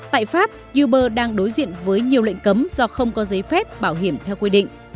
tại pháp uber đang đối diện với nhiều lệnh cấm do không có giấy phép bảo hiểm theo quy định